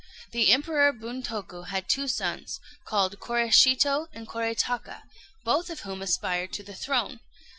The Emperor Buntoku had two sons, called Koréshito and Korétaka, both of whom aspired to the throne.